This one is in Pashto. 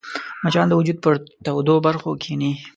مچان د وجود پر تودو برخو کښېني